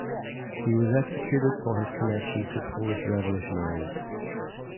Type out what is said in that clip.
He was executed for his connection to Polish revolutionaries.